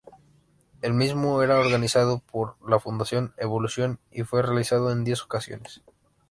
El mismo era organizado por la Fundación Evolución y fue realizado en diez ocasiones.